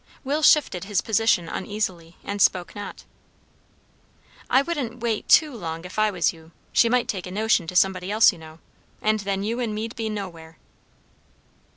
Will shifted his position uneasily and spoke not. "I wouldn't wait too long, if I was you. She might take a notion to somebody else, you know, and then you and me'd be nowhere."